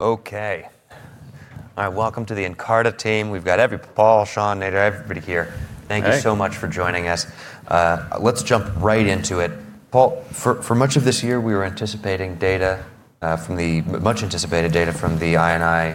Okay. All right, welcome to the Nkarta team. We've got everybody here: Paul, Sean, Nadir, everybody here. Thank you so much for joining us. Let's jump right into it. Paul, for much of this year, we were anticipating data from the much anticipated data from the I&I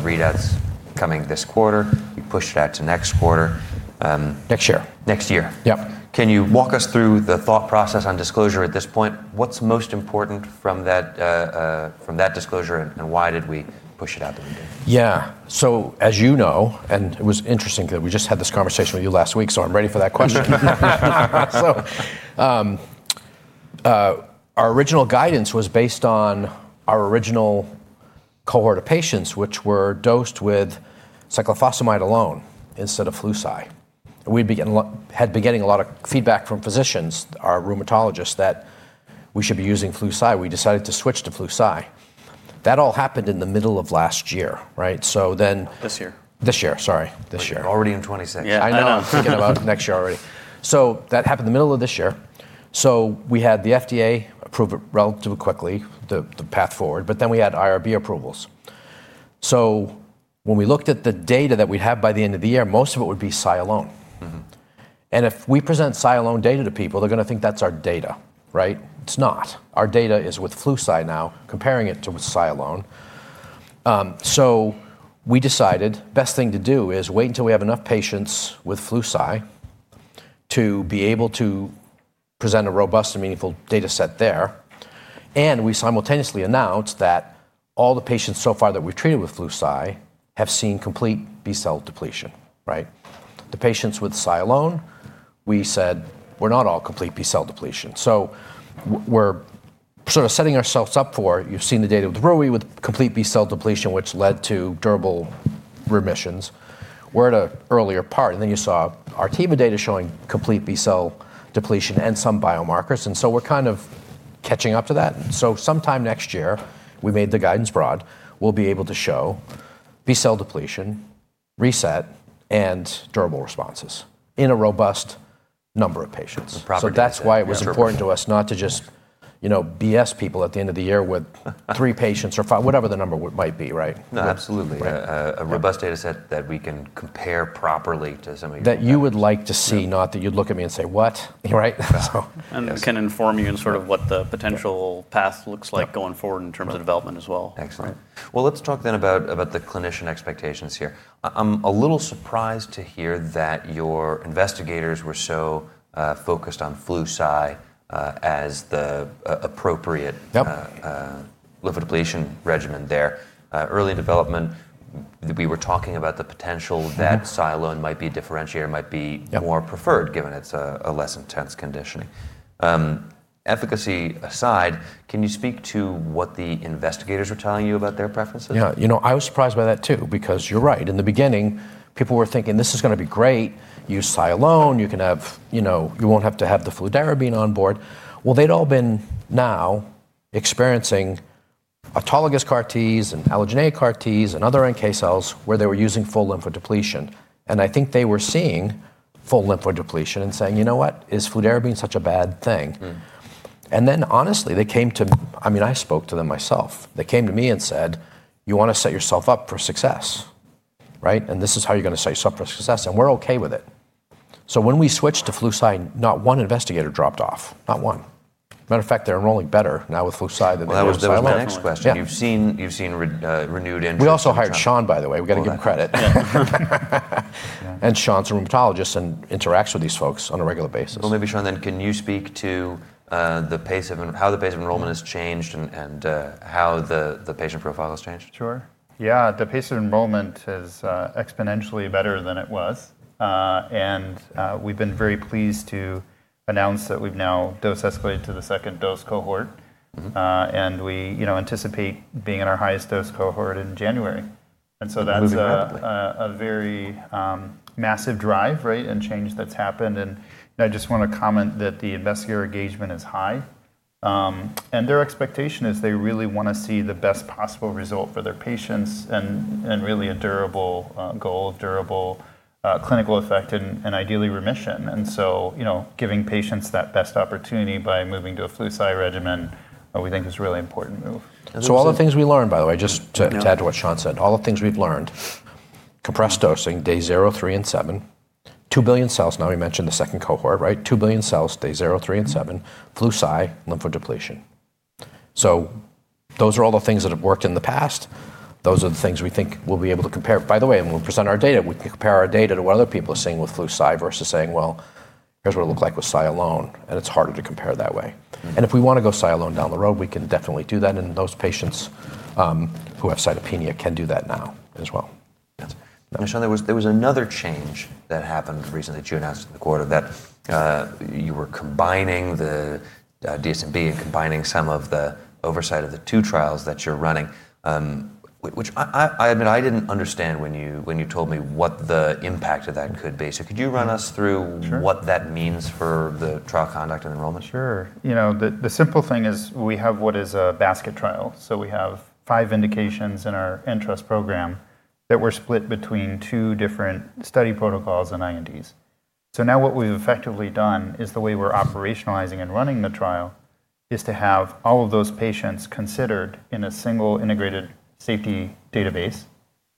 readouts coming this quarter. We pushed it out to next quarter. Next year. Next year. Yep. Can you walk us through the thought process on disclosure at this point? What's most important from that disclosure, and why did we push it out the window? Yeah. So, as you know, and it was interesting because we just had this conversation with you last week, so I'm ready for that question. So, our original guidance was based on our original cohort of patients, which were dosed with cyclophosphamide alone instead of Flu/Cy. We had been getting a lot of feedback from physicians, our rheumatologists, that we should be using Flu/Cy. We decided to switch to Flu/Cy. That all happened in the middle of last year, right? So then. This year. This year, sorry. This year. Already in 2026. Yeah, I know. I'm thinking about next year already. So that happened in the middle of this year. So we had the FDA approve it relatively quickly, the path forward, but then we had IRB approvals. So when we looked at the data that we'd have by the end of the year, most of it would be Cy alone. And if we present Cy alone data to people, they're going to think that's our data, right? It's not. Our data is with Flu/Cy now, comparing it to Cy alone. So we decided the best thing to do is wait until we have enough patients with Flu/Cy to be able to present a robust and meaningful data set there. And we simultaneously announced that all the patients so far that we've treated with Flu/Cy have seen complete B-cell depletion, right? The patients with Cy alone, we said, we're not all complete B-cell depletion. So we're sort of setting ourselves up for, you've seen the data with RUI with complete B-cell depletion, which led to durable remissions. We're at an earlier part, and then you saw our interim data showing complete B-cell depletion and some biomarkers. And so we're kind of catching up to that. So sometime next year, we made the guidance broad, we'll be able to show B-cell depletion, reset, and durable responses in a robust number of patients. So that's why it was important to us not to just, you know, BS people at the end of the year with three patients or whatever the number might be, right? Absolutely. A robust data set that we can compare properly to somebody. That you would like to see, not that you'd look at me and say, "What?" Right? Can inform you in sort of what the potential path looks like going forward in terms of development as well. Excellent. Let's talk then about the clinician expectations here. I'm a little surprised to hear that your investigators were so focused on Flu/Cy as the appropriate lymphodepletion regimen there. Early development, we were talking about the potential that Cy alone might be differentiated, might be more preferred given it's a less intense conditioning. Efficacy aside, can you speak to what the investigators were telling you about their preferences? Yeah, you know, I was surprised by that too, because you're right. In the beginning, people were thinking, "This is going to be great. Use Cy alone. You can have, you know, you won't have to have the fludarabine on board." Well, they'd all been now experiencing autologous CAR-Ts and allogeneic CAR-Ts and other NK cells where they were using full lymphodepletion. And I think they were seeing full lymphodepletion and saying, "You know what? Is fludarabine such a bad thing?" And then honestly, they came to—I mean, I spoke to them myself. They came to me and said, "You want to set yourself up for success, right? And this is how you're going to set yourself up for success." And we're okay with it. So when we switched to Flu/Cy, not one investigator dropped off. Not one. Matter of fact, they're enrolling better now with Flu/Cy than they were with Cy alone. That was my next question. You've seen renewed interest. We also hired Sean, by the way. We've got to give him credit, and Sean's a rheumatologist and interacts with these folks on a regular basis. Maybe Sean, then can you speak to the pace of how the enrollment has changed and how the patient profile has changed? Sure. Yeah, the pace of enrollment is exponentially better than it was. And we've been very pleased to announce that we've now dose-escalated to the second dose cohort. And we, you know, anticipate being in our highest dose cohort in January. And so that's a very massive drive, right, and change that's happened. And I just want to comment that the investigator engagement is high. And their expectation is they really want to see the best possible result for their patients and really a durable goal of durable clinical effect and ideally remission. And so, you know, giving patients that best opportunity by moving to a Flu/Cy regimen, we think is a really important move. So all the things we learned, by the way, just to add to what Sean said, all the things we've learned, compressed dosing, day zero, three, and seven, two billion cells. Now we mentioned the second cohort, right? Two billion cells, day zero, three, and seven, Flu/Cy, lymphodepletion. So those are all the things that have worked in the past. Those are the things we think we'll be able to compare. By the way, when we present our data, we can compare our data to what other people are seeing with Flu/Cy versus saying, "Well, here's what it looked like with Cy alone." And it's harder to compare that way. And if we want to go Cy alone down the road, we can definitely do that. And those patients who have cytopenia can do that now as well. Sean, there was another change that happened recently that you announced in the quarter that you were combining the DSMB and combining some of the oversight of the two trials that you're running, which I admit I didn't understand when you told me what the impact of that could be. So could you run us through what that means for the trial conduct and enrollment? Sure. You know, the simple thing is we have what is a basket trial, so we have five indications in our Ntrust program that were split between two different study protocols and INDs, so now what we've effectively done is the way we're operationalizing and running the trial is to have all of those patients considered in a single integrated safety database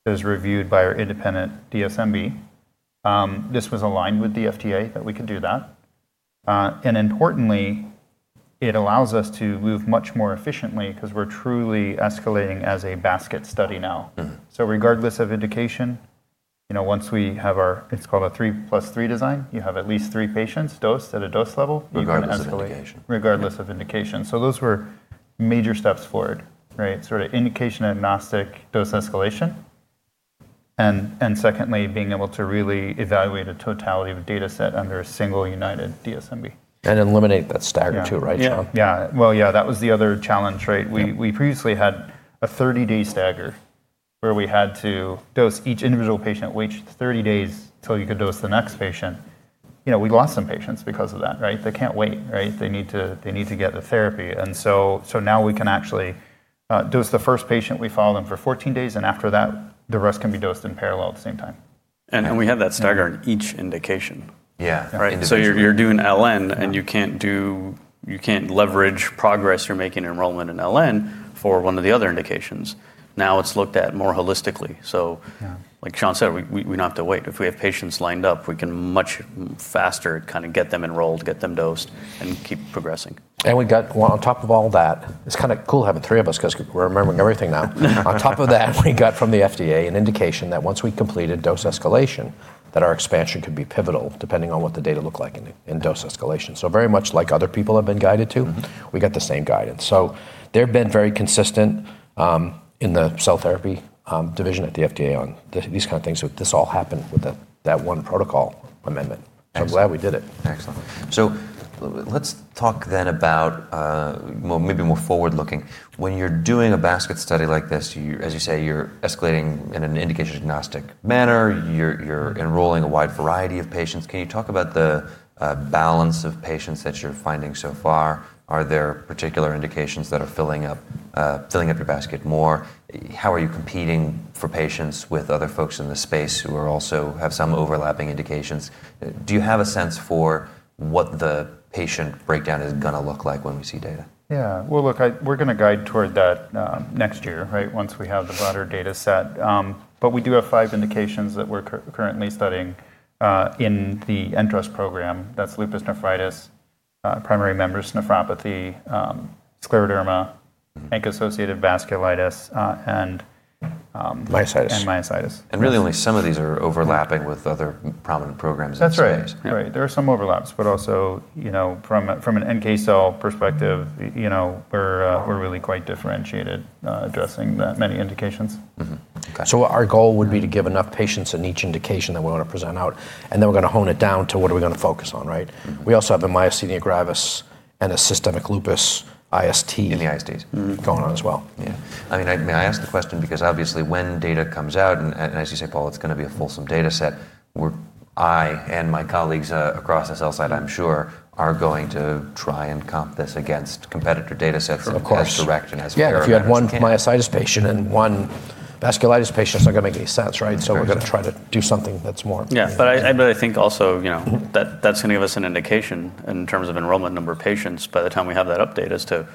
that is reviewed by our independent DSMB. This was aligned with the FDA that we could do that, and importantly, it allows us to move much more efficiently because we're truly escalating as a basket study now, so regardless of indication, you know, once we have our, it's called a three-plus-three design. You have at least three patients dosed at a dose level. You've got an escalation. Regardless of indication. So those were major steps forward, right? Sort of indication agnostic dose escalation. And secondly, being able to really evaluate a totality of the data set under a single united DSMB. And eliminate that stagger too, right, Sean? Yeah. Well, yeah, that was the other challenge, right? We previously had a 30-day stagger where we had to dose each individual patient at which 30 days until you could dose the next patient. You know, we lost some patients because of that, right? They can't wait, right? They need to get the therapy. And so now we can actually dose the first patient, we follow them for 14 days, and after that, the rest can be dosed in parallel at the same time. We had that stagger in each indication. Yeah. So you're doing LN, and you can't leverage progress you're making enrollment in LN for one of the other indications. Now it's looked at more holistically. So like Sean said, we don't have to wait. If we have patients lined up, we can much faster kind of get them enrolled, get them dosed, and keep progressing. And we got on top of all that, it's kind of cool having three of us because we're remembering everything now. On top of that, we got from the FDA an indication that once we completed dose escalation, that our expansion could be pivotal depending on what the data looked like in dose escalation. So very much like other people have been guided to, we got the same guidance. So they've been very consistent in the cell therapy division at the FDA on these kinds of things. So this all happened with that one protocol amendment. I'm glad we did it. Excellent. So let's talk then about maybe more forward-looking. When you're doing a basket study like this, as you say, you're escalating in an indication-agnostic manner. You're enrolling a wide variety of patients. Can you talk about the balance of patients that you're finding so far? Are there particular indications that are filling up your basket more? How are you competing for patients with other folks in the space who also have some overlapping indications? Do you have a sense for what the patient breakdown is going to look like when we see data? Yeah. Well, look, we're going to guide toward that next year, right, once we have the broader data set. But we do have five indications that we're currently studying in the Ntrust program. That's lupus nephritis, primary membranous nephropathy, scleroderma, ANCA-associated vasculitis, and. Myositis. And myositis. Really only some of these are overlapping with other prominent programs in this space. That's right. Right. There are some overlaps, but also, you know, from an NK cell perspective, you know, we're really quite differentiated addressing that many indications. So our goal would be to give enough patients in each indication that we want to present out, and then we're going to hone it down to what are we going to focus on, right? We also have a myasthenia gravis and a systemic lupus IST. In the ISTs. Going on as well. Yeah. I mean, may I ask the question because obviously when data comes out, and as you say, Paul, it's going to be a fulsome data set. I and my colleagues across the cell side, I'm sure, are going to try and comp this against competitor data sets as direct and as we are. Yeah. If you had one myositis patient and one vasculitis patient, it's not going to make any sense, right? So we're going to try to do something that's more. Yeah. But I think also, you know, that's going to give us an indication in terms of enrollment number of patients by the time we have that update as to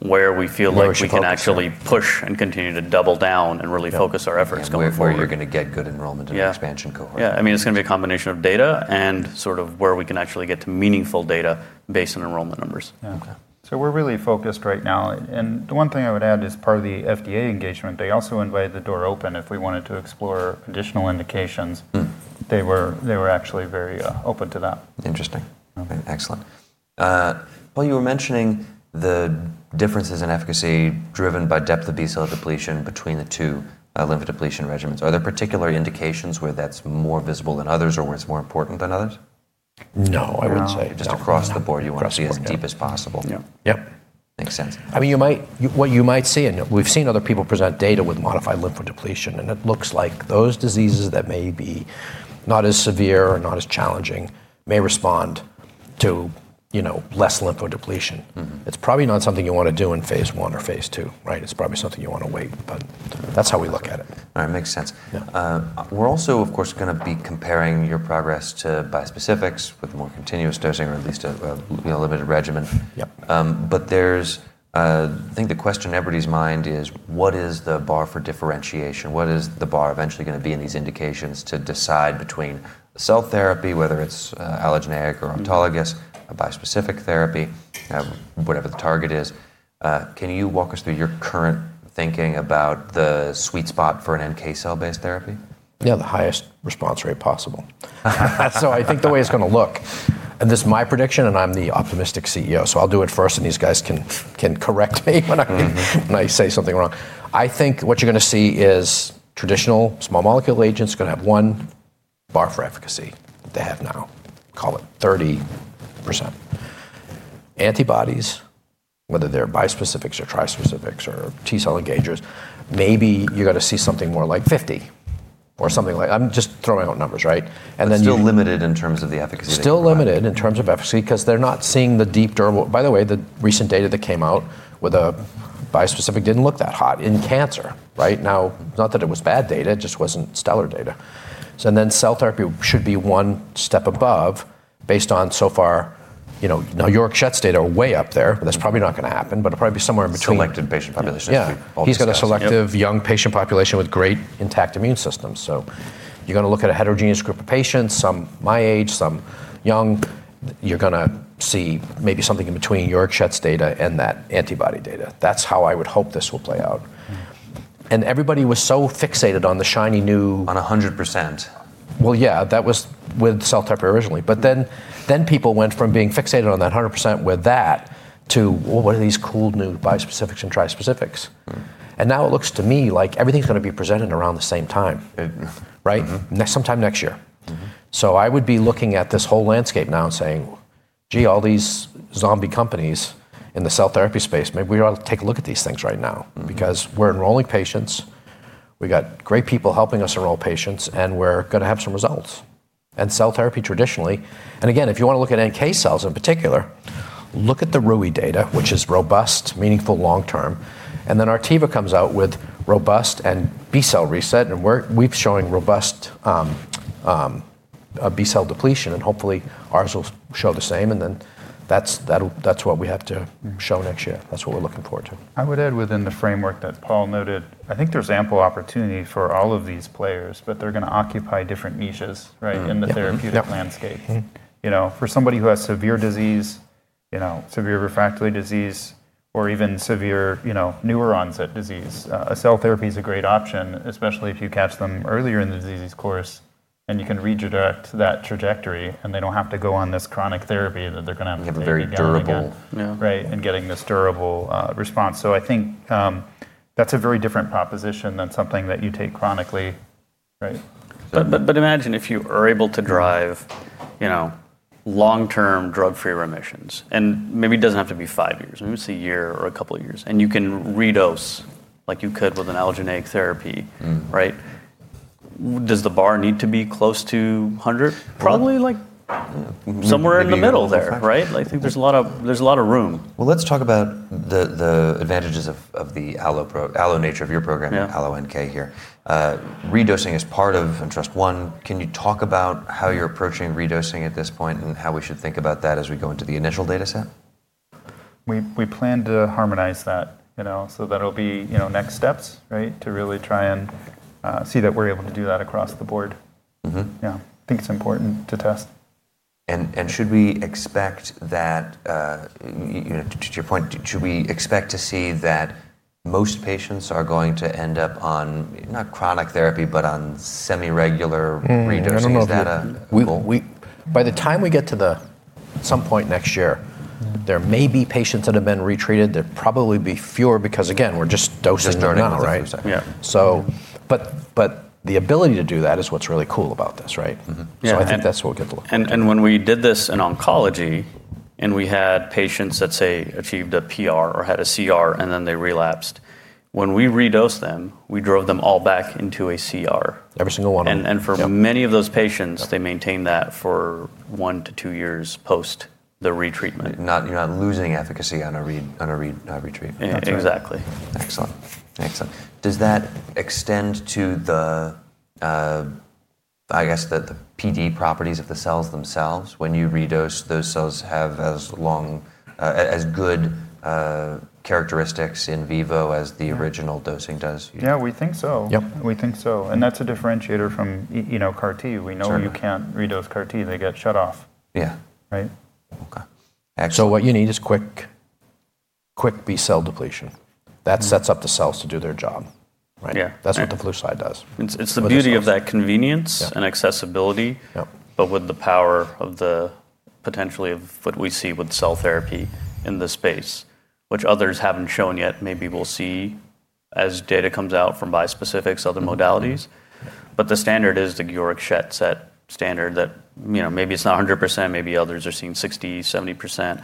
where we feel like we can actually push and continue to double down and really focus our efforts going forward. Where you're going to get good enrollment in the expansion cohort. Yeah. I mean, it's going to be a combination of data and sort of where we can actually get to meaningful data based on enrollment numbers. Okay. So we're really focused right now. And the one thing I would add is part of the FDA engagement, they also left the door open if we wanted to explore additional indications. They were actually very open to that. Interesting. Okay. Excellent. Paul, you were mentioning the differences in efficacy driven by depth of B-cell depletion between the two lymphodepletion regimens. Are there particular indications where that's more visible than others or where it's more important than others? No, I would say. Just across the board, you want to see as deep as possible. Yep. Makes sense. I mean, you might see, and we've seen other people present data with modified lymphodepletion, and it looks like those diseases that may be not as severe or not as challenging may respond to, you know, less lymphodepletion. It's probably not something you want to do in phase one or phase two, right? It's probably something you want to wait, but that's how we look at it. All right. Makes sense. We're also, of course, going to be comparing your progress to bispecifics with more continuous dosing or at least a limited regimen. But there's, I think the question in everybody's mind is, what is the bar for differentiation? What is the bar eventually going to be in these indications to decide between cell therapy, whether it's allogeneic or autologous, a bispecific therapy, whatever the target is? Can you walk us through your current thinking about the sweet spot for an NK cell-based therapy? Yeah, the highest response rate possible. So I think the way it's going to look, and this is my prediction, and I'm the optimistic CEO, so I'll do it first, and these guys can correct me when I say something wrong. I think what you're going to see is traditional small molecule agents are going to have one bar for efficacy that they have now. Call it 30%. Antibodies, whether they're bispecifics or trispecifics or T-cell engagers, maybe you're going to see something more like 50 or something like that. I'm just throwing out numbers, right? Still limited in terms of the efficacy. Still limited in terms of efficacy because they're not seeing the deep durable. By the way, the recent data that came out with a bispecific didn't look that hot in cancer, right? Now, not that it was bad data, it just wasn't stellar data. So then cell therapy should be one step above based on so far, you know, Georg Schett's data are way up there. That's probably not going to happen, but it'll probably be somewhere in between. Selected patient population. Yeah. He's got a selective young patient population with great intact immune systems. So you're going to look at a heterogeneous group of patients, some my age, some young. You're going to see maybe something in between Georg Schett's data and that antibody data. That's how I would hope this will play out. And everybody was so fixated on the shiny new. On 100%. Well, yeah, that was with cell therapy originally. But then people went from being fixated on that 100% with that to, well, what are these cool new bispecifics and trispecifics? And now it looks to me like everything's going to be presented around the same time, right? Sometime next year. So I would be looking at this whole landscape now and saying, gee, all these zombie companies in the cell therapy space, maybe we ought to take a look at these things right now because we're enrolling patients, we've got great people helping us enroll patients, and we're going to have some results. And cell therapy traditionally, and again, if you want to look at NK cells in particular, look at the RUI data, which is robust, meaningful, long-term. And then Artiva comes out with robust and B-cell reset, and we're showing robust B-cell depletion, and hopefully ours will show the same. And then that's what we have to show next year. That's what we're looking forward to. I would add within the framework that Paul noted, I think there's ample opportunity for all of these players, but they're going to occupy different niches, right, in the therapeutic landscape. You know, for somebody who has severe disease, you know, severe refractory disease, or even severe, you know, newer onset disease, a cell therapy is a great option, especially if you catch them earlier in the disease course and you can redirect that trajectory and they don't have to go on this chronic therapy that they're going to have to be doing that. Get a very durable. Right, and getting this durable response. So I think that's a very different proposition than something that you take chronically, right? But imagine if you are able to drive, you know, long-term drug-free remissions, and maybe it doesn't have to be five years, maybe it's a year or a couple of years, and you can redose like you could with an allogeneic therapy, right? Does the bar need to be close to 100? Probably like somewhere in the middle there, right? I think there's a lot of room. Let's talk about the advantages of the allo nature of your program and allo NK here. Redosing is part of Ntrust One. Can you talk about how you're approaching redosing at this point and how we should think about that as we go into the initial data set? We plan to harmonize that, you know, so that'll be, you know, next steps, right, to really try and see that we're able to do that across the board. Yeah, I think it's important to test. Should we expect that, to your point, should we expect to see that most patients are going to end up on not chronic therapy, but on semi-regular redosing data? At some point next year, there may be patients that have been retreated. There'd probably be fewer because, again, we're just dosing right now, right? Yeah. But the ability to do that is what's really cool about this, right? So I think that's what we'll get to look at. When we did this in oncology and we had patients that, say, achieved a PR or had a CR and then they relapsed, when we redosed them, we drove them all back into a CR. Every single one. For many of those patients, they maintained that for one to two years post the retreatment. You're not losing efficacy on a retreat. Exactly. Excellent. Excellent. Does that extend to the, I guess, the PD properties of the cells themselves? When you redose, those cells have as long, as good characteristics in vivo as the original dosing does? Yeah, we think so. Yep. We think so. And that's a differentiator from, you know, CAR-T. We know you can't redose CAR-T. They get shut off. Yeah. Right? Okay, so what you need is quick B-cell depletion. That sets up the cells to do their job, right? Yeah. That's what the Flu/Cy does. It's the beauty of that convenience and accessibility, but with the power of the potentially of what we see with cell therapy in this space, which others haven't shown yet. Maybe we'll see as data comes out from bispecifics, other modalities. But the standard is the Georg Schett set standard that, you know, maybe it's not 100%, maybe others are seeing 60%-70%.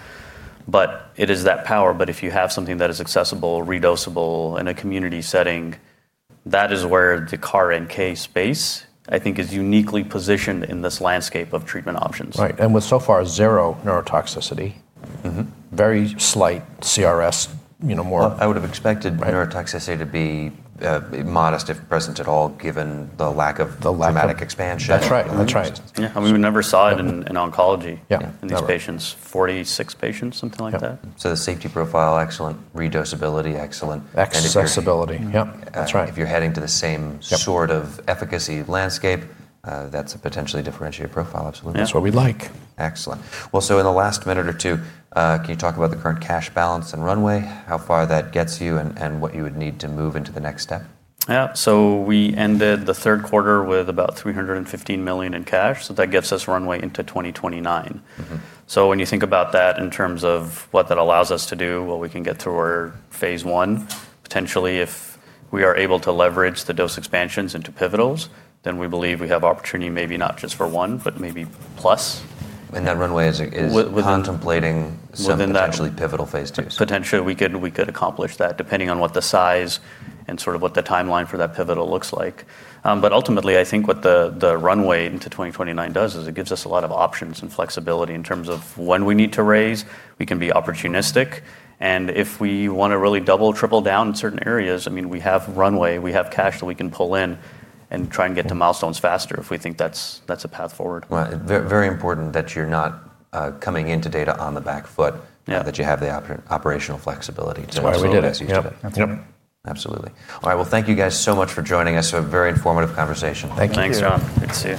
But it is that power. But if you have something that is accessible, redosable in a community setting, that is where the CAR-NK space, I think, is uniquely positioned in this landscape of treatment options. Right. And with so far zero neurotoxicity, very slight CRS, you know, more. I would have expected neurotoxicity to be modest, if present at all, given the lack of somatic expansion. That's right. That's right. Yeah. We never saw it in oncology in these patients. 46 patients, something like that. The safety profile, excellent. Redosability, excellent. Excessibility. Yep. That's right. If you're heading to the same sort of efficacy landscape, that's a potentially differentiated profile. Absolutely. That's what we'd like. Excellent. Well, so in the last minute or two, can you talk about the current cash balance and runway, how far that gets you and what you would need to move into the next step? Yeah. So we ended the third quarter with about $315 million in cash. So that gives us runway into 2029. So when you think about that in terms of what that allows us to do, what we can get through our phase one, potentially if we are able to leverage the dose expansions into pivotals, then we believe we have opportunity maybe not just for one, but maybe plus. That runway is contemplating some potentially pivotal phase two. Potentially we could accomplish that depending on what the size and sort of what the timeline for that pivotal looks like. But ultimately, I think what the runway into 2029 does is it gives us a lot of options and flexibility in terms of when we need to raise. We can be opportunistic. And if we want to really double, triple down in certain areas, I mean, we have runway, we have cash that we can pull in and try and get to milestones faster if we think that's a path forward. Very important that you're not coming into data on the back foot, that you have the operational flexibility to answer that. That's right. We did it. Absolutely. All right. Well, thank you guys so much for joining us. A very informative conversation. Thank you. Thanks, John. Good to see you.